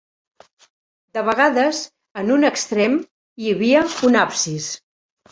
De vegades en un extrem hi havia un absis.